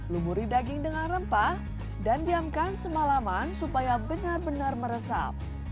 lumuri daging dengan rempah dan diamkan semalaman supaya benar benar meresap